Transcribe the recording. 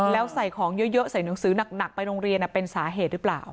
แล้วใส่ของเยอะใส่หนังสือหนักไปโรงเรียนเป็นสาเหตุหรือเปล่า